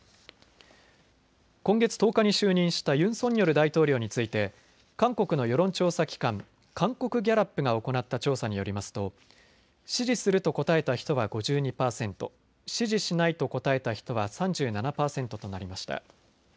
今月１０日に就任したユン・ソンニョル大統領について韓国の世論調査機関、韓国ギャラップが行った調査によりますと支持すると答えた人は５２％、支持しないと答えた人は３７％となりました。